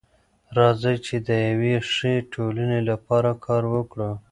راځئ چي د يوې ښې ټولني لپاره کار وکړو.